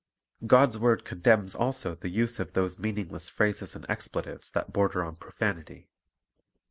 "" God's word condemns also the use of those mean ingless phrases and expletives that border on profanity.